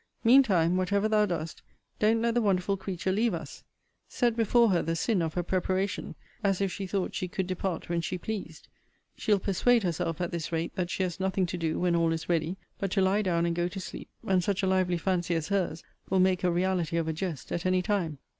Mean time, whatever thou dost, don't let the wonderful creature leave us! Set before her the sin of her preparation, as if she thought she could depart when she pleased. She'll persuade herself, at this rate, that she has nothing to do, when all is ready, but to lie down, and go to sleep: and such a lively fancy as her's will make a reality of a jest at any time.